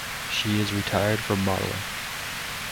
She is retired from modeling.